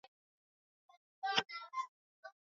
thini mpaka kwenye arobaini